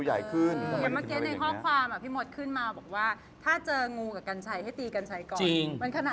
อย่างเมื่อกี้ในข้อความพี่มดขึ้นมาบอกว่าถ้าเจองูกับกัญชัยให้ตีกัญชัยก่อน